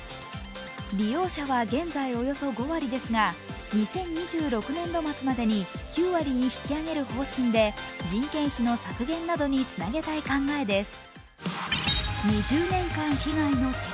利用者は現在およそ５割ですが２０２６年度末までに９割に引き上げる方針で人件費の削減などにつなげたい考えです。